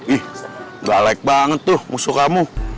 ih galek banget tuh musuh kamu